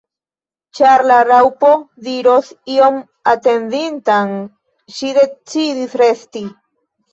Ĉar la Raŭpo diros ion atentindan, ŝi decidis resti.